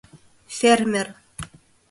— Фермер...